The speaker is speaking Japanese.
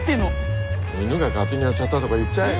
犬が勝手にやっちゃったとか言っちゃえよ。